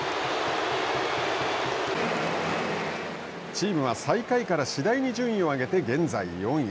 チームは最下位から次第に順位を上げて現在４位。